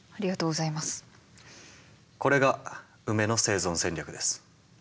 これがウメの生存戦略です。